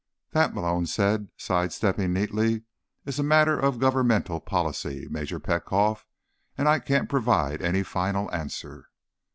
"That," Malone said, sidestepping neatly, "is a matter of governmental policy, Major Petkoff. And I can't provide any final answer."